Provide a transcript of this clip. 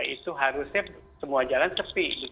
itu harusnya semua jalan sepi